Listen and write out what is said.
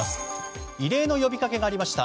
異例の呼びかけがありました。